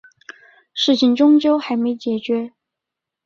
事情终究还没解决